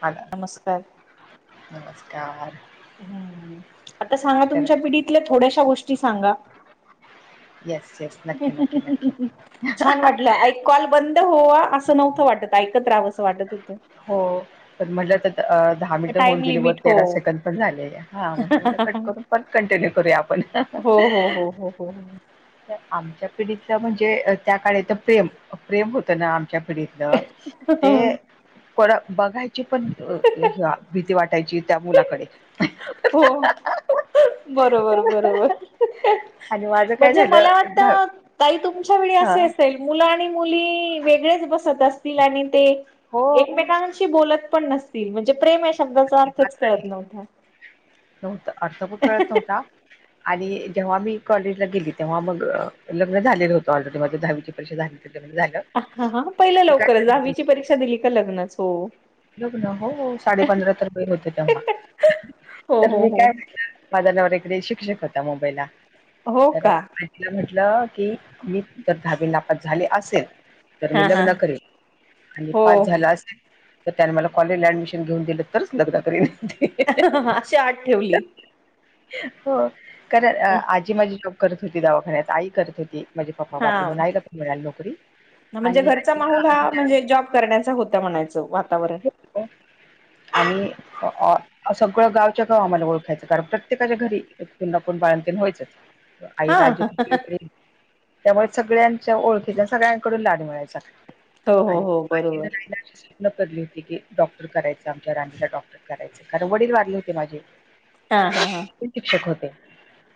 अ नमस्कार नमस्कार हम्म आता सांगा तर तुमच्या पिढीतल्या थोड्याशा गोष्टी सांगा येस येस नक्की नक्की नक्की छान वाटलं कॉल बंद व्हावा असं नव्हतं वाटत ऐकत राहावं असं वाटत होतं हो म्हटलं तर दहा मिनिटं होऊन टाइम गेले व लिमिट हो तेरा सेकंड पण झाले पण कंटिन्यू करूया आपण हो हो हो हो हो. तर आमच्या पिढीतला म्हणजे त्या काळी तर प्रेम प्रेम होत ना आमच्या पिढीत ते हो. कोणा बघायची पण भीती वाटायची त्या मुलाकडे हो बरोबर बरोबर आणि माझं काय म्हणजे झालं मला दहा- वाटत काही तुमच्या वेळी हा, असे असेल मुलं आणि मुली वेगळेच बसत असतील आणि ते हो एकमेकां कळत एकमेकांशी बोलत पण म्हणजे प्रेम या शब्दाचा अर्थच कळत नव्हता नव्हत अर्थ पण कळत नव्हता आणि जेव्हा मग मी कॉलेजला गेली तेव्हा मग लग्न झालेलं होतं ऑलरेडी माझी दहावीची परीक्षा झाली लग्न झालं हा पहिलं मी काय लवकरच सांगितली दहावीची परीक्षा दिली का लग्नच हो लग्न हो साडे पंधरा तर वय होते तेव्हा हो तर हो मी हो काय माझा नवरा तर इकडे शिक्षक होता मुंबईला हो तर का तिला म्हटलं की मी जर दहावी नापास झाले असेल तर हा मी हा लग्न करेन आणि हो पास झाले असेल तर त्याने मला कॉलेजला ऍडमिशन घेऊन दिलं तरच लग्न करीन अहह अशी अट ठेवली. हो कारण आजी माझी जॉब करत होती दवाखान्यात आई करत होती. माझे पप्पा वारले हा म्हणून आई ला मिळाली नोकरी. म्हणजे आणि घरचा आजीला माहोल हा आजीच्या म्हणजे जॉब करण्याचा होता म्हणायचं वातावरण. आणि सगळं गावच गाव आम्हाला ओळखायचं कारण प्र प्रत्येकाच्या घरी कोण ना कोण बाळणतीन व्हायच आई, हा आजी हा हा हा. त्यामुळे सगळ्यांच्या ओळखीच्या सगळ्यांकडून लाड मिळायचा हो हो आणि हो बरोबर स्वप्न धरली होती की डॉक्टर करायचं आमच्या राणीला डॉक्टर करायच कारण वडील वारले होते माझे. हा हा हा ते पण शिक्षक होते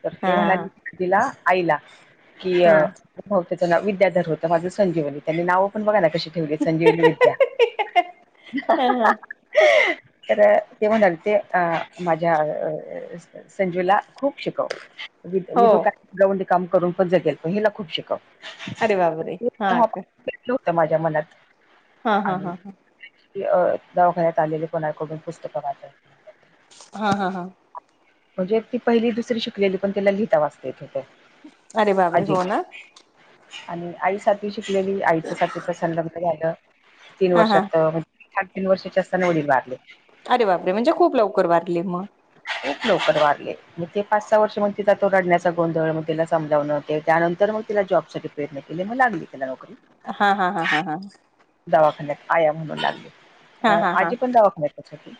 तर ते हा म्हणाले तिला आईला कि अ हा. ह हो त्याचं नाव विद्याधर होतं माझं संजीवनी त्यांनी नाव पण बघा ना कशी संजीवनी विद्या, ह अहहाहा. तर ते म्हणाल ते अ माझ्या अ संजूला खूप शिकव हो विध का गवंडी काम करून पण जगेल पण हिला खूप शिकव. अरे बाब रे हा का. तलं होत माझ्या मनात हा हा आणि हा ह. ते अ दवाखान्यात आलेले कोणाकडून पुस्तक वाटत. हा हा हा म्हणजे ती पहिली, दुसरी शिकलेली पण तिला लिहिता वाचता येतं होत. अरे बापरे हो ना. आणि आई सातवी शिकलेली आईच्या साठी दुसरं सलग्न झालं तीन हा हा वर्षात अ म्हण साडे तीन वर्षाची असताना वडील वारले. अरे बाप रे म्हणजे खूप लवकर वारले मग. खूप लवकर वारले. मग ते पाच सहा वर्ष मग ति तो रडण्याचा गोंधळ मग तिला समजावन त्यानंतर मग ति जॉब साठी पर्यंत केले मग लागली तिला नोकरी. हा हा हा हा हा दवाखान्यात आया म्हणू लागली. अ हा हा हा आजी पण दवाखान्यातच होती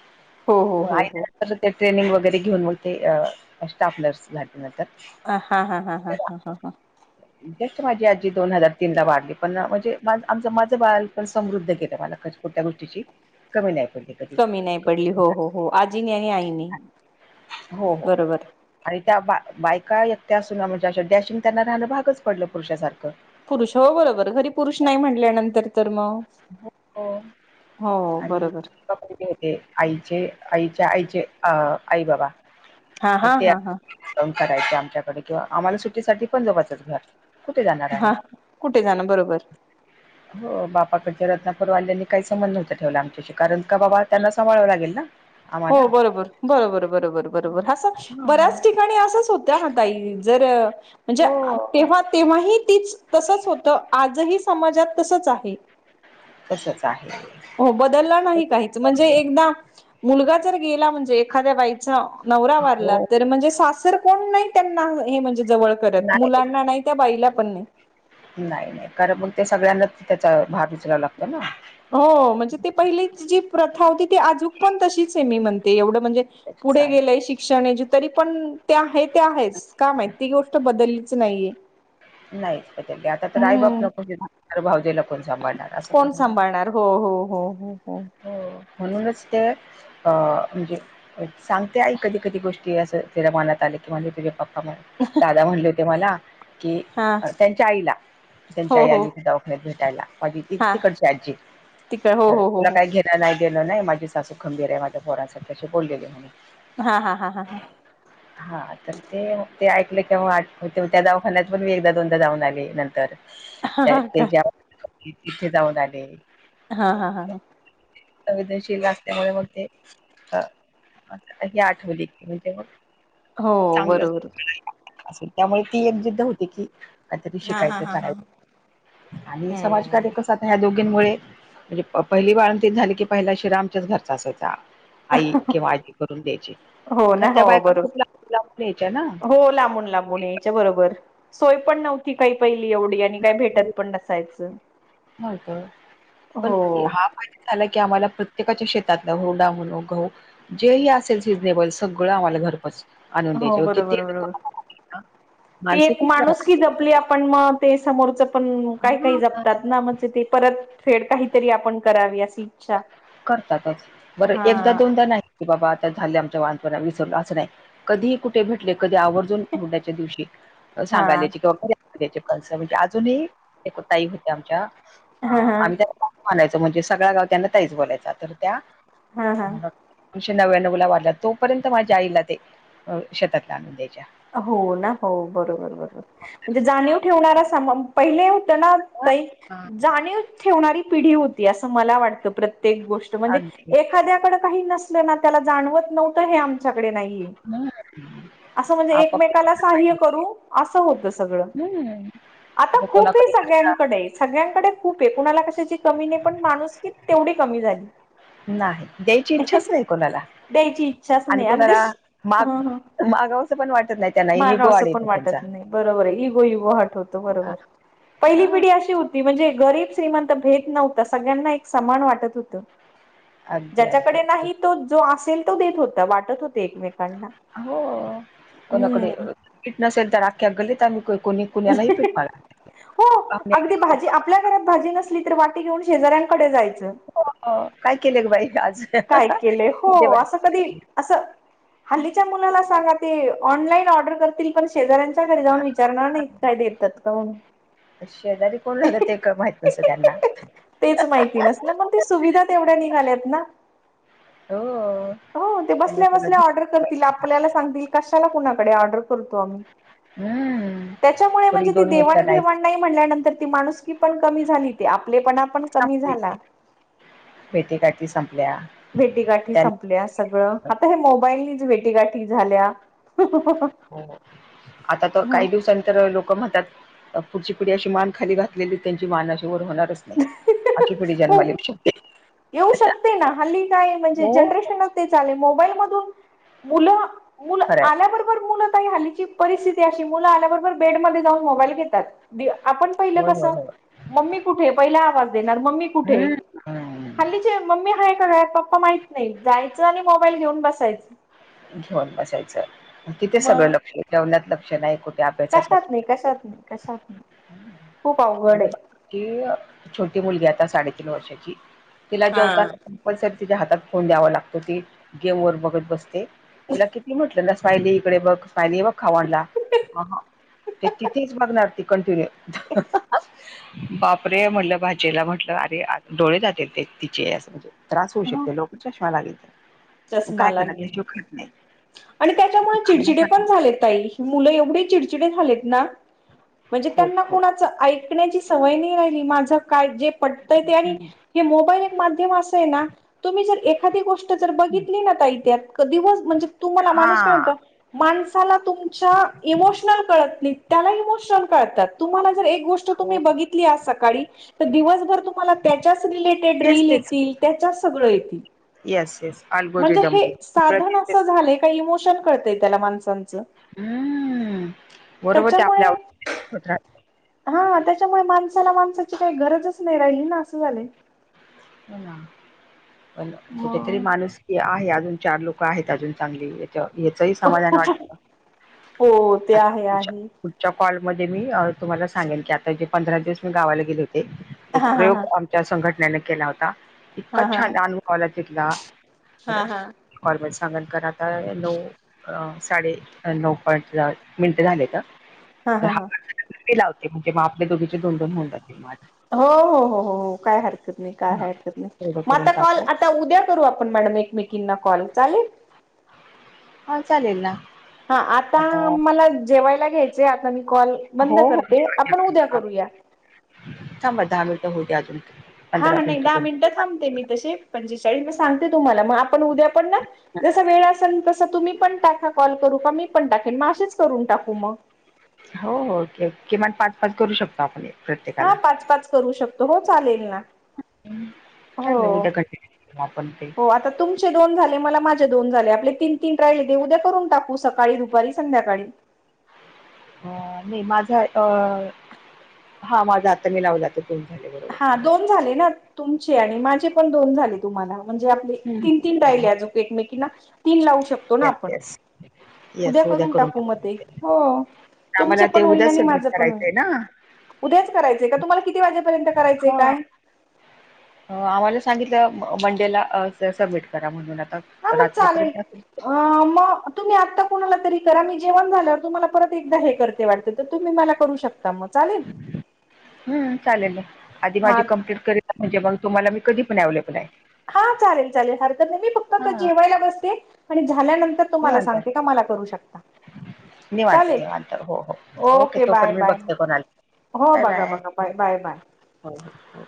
हो हो मग आ हो हो. ते ट्रेनिंग वगैरे घेऊन मग ते स्टाफ नर्स झाली नंतर. ह हा हा हा हा तर हा ह हा जस्ट माझी आजी दोन हजार तीन ला वाढली पण म्हणजे आमचं माझं बाळंतपण पण समृद्ध गेलं मला कुठल्या गोष्टीची कमीची कमी नाही पडली. कधी कमी नाही पडली हो हो हो आजीनी आणि आईनी हो हो बरोबर. आणि त्या बा बायका एकत्या असून म्हणजे अ डॅशिंग त्यांना राहणं भागच पडलं पुरुषासारखं. पुरुष हो बरोबर घरी पुरुष नाही म्हटल्यानंतर. तर मग हो बरोबर. [unintelligible] ते आईचे आईच्या आईचे अ आई बाबा हा अ हा ते हा हा फोन करायचे आमच्याकडे किंवा आम्हाला सुट्टीसाठी पण जवचंच घर कुठे जाणार आणि हा कुठे जाणं बरोबर हो बा पाक त्या रत्नापूरवाल्यानी काही संबंध नव्हता ठेवला आमच्याशी कारण का बाबा त्यांना सांभाळाव लागेल ना. हो आम्हाला बरोबर बरोबर बरोबर बरोबर असं हा. बऱ्याच ठिकाणी असंच होत. त्या हा ताई जर म्हणजे हो तेव्हा तेव्हा ही तीच तसच होतं आजही समाजात तसच आहे. तसच आहे. हो बदलला नाही काहीच म्हणजे एकदा मुलगा जर गेला म्हणजे एखाद्या बाईचा नवरा वारला. हो तर म्हणजे सासर कोण नाही त्यांना हे म्हणजे जवळ करत मुलांना नाही त्या बाईला पण नाही. नाही नाही कारण मग ते सगळ्यांनाच त्याचा भार उचलावा लागतो ना. हो म्हणजे ते पहिलीच जी प्रथा होती ती आजूक पण तशीच आहे मी म्हणते एवढं म्हणजे त्याचच पुढे आहे गेलंय शिक्षण तरी पण ते आहे ते आहेच का माहित ती गोष्ट बदललीच नाहीये नाहीच बदलली आता तर आई बाप हम्म नको च हे ना भावजेला कोण सांभाळणार असं पण कोण आहे ना सांभाळणार हो हो हो हो हो हो म्हणूनच ते अ म्हणजे सांगते आई कधी कधी गोष्टी असं तिला मनात आले की म्हणजे तुझे पप्पा म्ह दादा म्हणले होते मला की हा त्यांच्या आईला त्यांच्या हो आई हो. आलीस की दवाखान्यात भेटायला माझी ती तिकडची आजी तिकडं हो हो हो तला हो काही घेनं नाही देणं नाही माझी सासू खंबीर आहे माझ्या पोरांसाठी अशी बोललेली म्ह हा हा हा हा हा हा तर ते ते ऐकले क आठवतं हो त्या जा खना पण मी एकदा दोनदा जाऊन आले नंतर हा हा का तेच्या इथे जाऊन आले हा हा हा संवेदनशील असल्यामुळे मग ते अ हे आठवली की म्हणजे हो चांगली बरोबर अस त्यामुळे ती एक जिद्द होती की काहीतरी हा हा शिकायचं हा हा करायच आणि हम्म समाजकार्य कस दोघींमुळे म्हणजे पहिली बाळंतीन झाली की पहिला शिरा आमच्याच घरचा असायचा आई किंवा आजी करून द्यायची हो खरं ना त्या हो बायका बरोबर खूप लागतं लावून घ्यायच्या ना हो लांबून लांबून ये बरोबर सोय पण नव्हती काही पहिली एवढी आणि काही भेटत पण नसायचं नव्हतं पण हो. हा झालं की आम्हाला प्रत्येकाच्या शेतातलं हुरडा म्हणा गहू जेही असेल सिझनेबल सगळं आम्हाला घरपोच आणून हो द्यायचे किती बरोबर नको बरोबर नको ती माणसं एक खूप माणूस प्रमाणात जपली आपण मग ते समोरच पण काही काही हा का जपतात ना म्हणजे ते परत फेड काहीतरी आपण करावी अशी इच्छा करतातच बरं हा एकदा दोनदा नाही बाबा आता झाले आमच्या वान पणा विसरलं असं नाही कधीही कुठे भेटले कधी आवर ड्याच्या दिवशी हा सांगायला यायची कनसं म्हणजे अजूनही एकताई होत्या आमच्या हा हा आम्ही त्या म्हणायचं म्हणजे सगळ्या गाव त्यांना ताईच बोलायचा तर त्या हा हा म्हणत एकोणीसशे नव्याण्व ला वारल्यात तोपर्यंत माझ्या आईला ते शेतातलं आणून द्यायच्या हो ना हो बरोबर बरोबर म्हणजे जाणीव ठेवणारा स पहिले होत ना ताई हां. जाणीव ठेवणारी पिढी होती असं मला वाटतं प्रत्येक गोष्ट म्हणजे अगदी एखाद्याकडे काही नसलं ना त्याला जाणवत नव्हतं हे आमच्याकडे नाहीये हम्म असं म्हणजे एकमेकाला सहाय्य करू असं होतं सगळं हं. आता खूप आहे कोणाकडे सगळ्यांकडे सगळ्यांकडे खूप आहे कुणाला कशाची कमी नाही पण माणूस की तेवढी कमी झाली नाही द्यायची इच्छाच नाही कोणाला द्यायची इच्छाच आणि नाही अगदी कोणाला ह ह माग मागाव असं पण वाटत नाही त्यांना इगो मागावसं आड पण येतो त्यांचा वाटत नाही बरोबर आहे इगो इगो हर्ट होतो बरोबर पहिली पिढी अशी होती म्हणजे गरीब श्रीमंत भेद नव्हता सगळ्यांना एक समान वाटत होतं [inaudible] अगदी ज्याच्याकडे अगदी नाही तो जो असेल तो देत होता वाटत होते एकमेकांना हो कोणाकडे हम्म पीठ नसेल तर आख्ख्या गलीत आम्ही कोणी कुण्यालाही फेटवाला हो अगदी लाग भाजी आपल्या घरात भाजी नसली तर वाटी घेऊन शेजाऱ्यांकडे जायचं काय केले बाई आज काय केलं हो देवा असं कधी असं हल्लीच्या मुलाला सांगा ते ऑनलाईन ऑर्डर करतील पण शेजऱ त्याच्या घरी जाऊन विचारणार नाही काय देतात का शेजारी कोण रात ते का माहित नसतं त्यांना तेच माहिती नसल मग ती सुविधा तेवढ्या निघाल्यात ना हो हो ते त्यांना बसल्या बसल्या सगळं ऑर्डर करतील आपल्याला सांगतील कशाला कुणाकडे ऑर्डर करतो आम्ही हम् त्याच्यामुळे म्हणजे ती नाहीत देवाणघेवाण नाही म्हणल्यानंतर ती माणुकी पण क झाली आपले पण पण कमी संपली झाला भेटे काट संपल्या भेटीगाठी त्यां संपल्या सगळं आता हे मोबाईलनीच भेटीगाठी झाल्या हो आता तर काही दिवसां तरर लोक लक म्हतात पुढची पिढी अशी मान खाली घातलेली त्यांची मान अशी वर होणारच नाही. अशी पिढी हो जन्माला येऊ शकते. येऊ शकते ना हल्ली काय म्हणजे हो जनरेशन मोबाईल मध मु खरंय आल्याबरोबर मु का हली परिस्थती अशी मु आल्याबरोबर बेड म जाऊन मोबाईल घेतात आपण पहिलं होय कस होय होय मम्मी कुठे पहिला आवाज देणार मम्मी कुठे हम्म हम्म हल्लीचे मम्मी हय कत पप्पा माहत नाही जायचं आणि मोबाईल घेऊन बसायचं घेऊन बसायचं तिथे सगळं मग लक्ष जेवणत लक्ष नाही कठे कशात नाही कशात नाही कशात नाही खूप अवघड आहे कि छोटी मुलगी आता साडेतीीन वर्षाची तिला जेवता हा. पण स तिच्या हातात फोन द्यावा लागतो ती गेम वर बघत बसते तुला किती म्हटलं न फयली इकडे बघ फयली बघ खाऊ आणला ते किथेच बघणार ती कंटिन्यू [unintelligible] बापरे म्हटलं भाजेला म्हटलं अरे डोळे जाते ते तिचे यासम त्रास होऊ शकते लोक चष्मा लागेल मग चष्मा काय करा लागे त्याशिवाय खात नाही आणि ते त्याच्यामुळे खाणार चिडचिडे खात पण नाही झालेत मु एवढे चिडचिडे झालेत ना म्हणजे खो त्यांना खो कोणाच ऐ टण्याची सवय नाही राहिली माझ काय जे आणि मोल एक माम अस ना तुम्ही जर एखा गोष्ट बघितली ना इथत दिवस म्हणजे तुम्हाला माणूस काय हा होता माणसाला तुमच्या इमोशनल कळत नाही त्याला इमोशनल कळतात तुम्हाला जर एक गोष्ट हो ब स दिवसभर तम त्या त्याच्या तेच तेच सगळं येथे येस येस म्हणजे अल्गोरिदम हे सगळं साधन तेच तेच असं झालंय का इमोशन कळतय त्याला माणसांचं हम्म बरोबर ते आपल्या त्याच्यामुळे हा त्याच्यामुळे माणसाला माणसाची काही गरजच नाही राहिली ना असं झालं पण कुठेतरी माणूस आहे अजून चार लोक आहेत अजून चांगली याचही समाधान वाटत हो ते आता आहे त आहे च्या कॉल मध्ये मी तुम्हाला सांगेन की आता ज पंधरा दिवस मी गावाला गेले होते एक हा हा हा प्रयोग संघटनेने केला होता इतका हा हा हा छान अनुभवला तिथला हा हॉर्मल सांगल कता नो अ साडे नऊ पईंट मिनट झाले का हा हा हा लावते म्हणजे मग आपले दोघीचे दोन दोन होऊ जातील मा हो हो हो हो हो काय हरकत नाही काय हा हरकत नाही तेवढं मग करून आता कॉल टाकू आता उद्या करू आपण मॅडम एकमेकींना कॉल चालेल हा चालेल ना हा आता मला जेवायला घ्यायचे आता मी कॉल हो बंद हो करते आपण उद्या करूया सांब दहा मिनिटं होऊते्या अजून हा पंधरा नाही दहा करू. मिनिटं थांबते मी तसे पंचेचाळीस मी सांगते तुम्हाला मग आपण उद्या पण ना जसा वेळ असेल तसं तुम्ही पण टाका कॉल करू का मी पण टाकेन मग असेच करून टाकू मग हो किमान पाच पाच करू शकतो आपण हा प्रत्येकाला पाच पाच करू शकतो हो चालेल ना हो चालेल उद्या कंटिन्यू करू आपण ते हो आता तुमचे दोन झाले मला माझे दोन झाले आपले तीन तीन राहिले देऊद्या करून टाकू सकाळी दुपारी संध्याकाळी अ नाही माझा अ हा माझा आता मी लाव जातो ख न्यद हा दोन झाले ना तुमचे आणि माझे पण दोन झाले तुम्हाला म्हणजे आपले हं. तीन तीन राहिले अजो एकमेकी तीन लावू शकत येस, आपण येस, उद्या येस करून टाकू म टाकूया ते. हो तुमचं आम्हाला ते पण होईल उद्याच आणि सबमिट माझं पण होईल करायचंय ना? उद्याच करायचंय का तुम्हाला किती वाजेपर्यंत करायचंय हा काय आम्हाला सांगितलं मंडेला सबमिट करा म्हणून आता ह मग चालेल रात्रीपर्यंत असेल अ मग तुम्ही आत्ता कोुणाला तरी करा मी जेवण झाल्यावर तुम्हाला परत एकदा हे करते वाटते तर तुम्ही मला करू शकता मग चालेल हम्म चालेल आधी हा माझी कं्प्लीट करी म्हणजे मग तुम्हाला मी कधी पण अववेलेबल आहे हा चालेल चालेल हरक नाहीेहमी फक्त त हां, जेवायला बसते आणि झाल्यानंतर तुम्हाला निवांत, सांगते का मला करू शकता निवांत चालेल निवांत हो हो ओके तो पण बाय मी बाय बघते कोणाला हो बघा बघा बाय बाय बाय हो हो हो